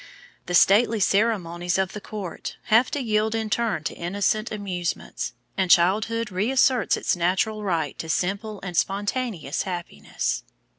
The stately ceremonies of the court have to yield in turn to innocent amusements, and childhood reasserts its natural right to simple and spontaneous happiness.